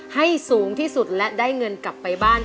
ให้สูงที่สุดและได้เงินกลับไปบ้าน